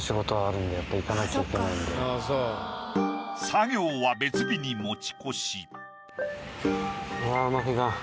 作業は別日に持ち越し。